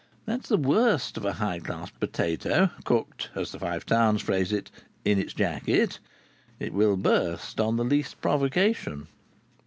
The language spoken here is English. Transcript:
That is the worst of a high class potato, cooked, as the Five Towns phrase it, "in its jacket." It will burst on the least provocation.